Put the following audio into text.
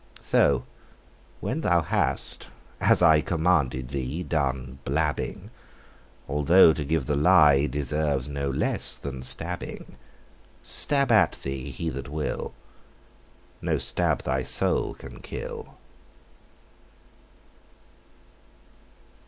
So when thou hast, as I Commanded thee, done blabbing; Because to give the lie Deserves no less than stabbing: Stab at thee, he that will, No stab thy soul can kill!